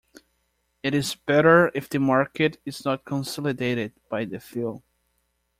It is better if the market is not consolidated by the few.